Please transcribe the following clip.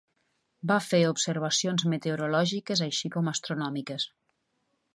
Va fer observacions meteorològiques així com astronòmiques.